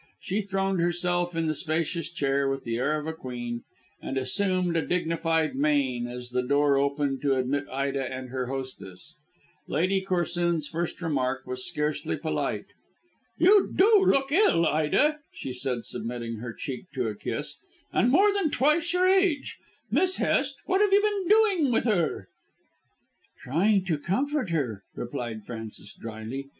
She throned herself in the spacious chair with the air of a queen, and assumed a dignified mein as the door opened to admit Ida and her hostess. Lady Corsoon's first remark was scarcely polite. "You do look ill, Ida," she said submitting her cheek to a kiss, "and more than twice your age. Miss Hest, what have you been doing with her?" "Trying to comfort her," replied Frances drily.